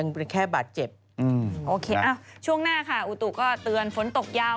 พี่ไม่ล้างมาเดือนอีกแล้ว